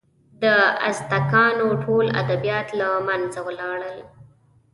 د ازتکانو ټول ادبیات له منځه ولاړل.